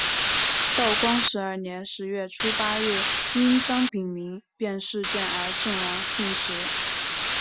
道光十二年十月初八日因张丙民变事件而阵亡殉职。